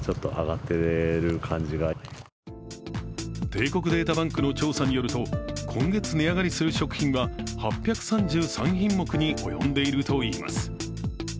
帝国データバンクの調査によると、今月値上がりする食品は８３３品目に及んでいるといいます。